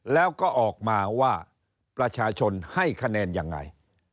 แล้วก็ออกมาว่าประชาชนให้คะแนนยังไง